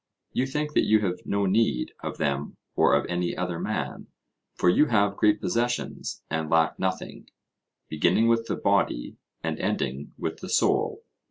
You think that you have no need of them or of any other man, for you have great possessions and lack nothing, beginning with the body, and ending with the soul.